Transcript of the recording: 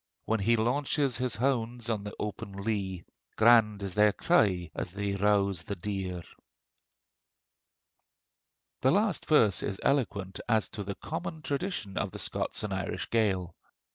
When he launches his hounds on the open lea, Grand is their cry as they rouse the deer. The last verse is eloquent as to the common traditions of the Scots and Irish Gael.